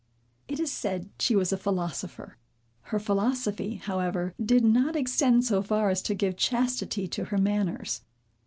It is said she was a philosopher. Her philosophy, however, did not extend so far as to give chastity to her manners.